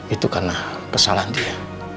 itu karena kesalahan dia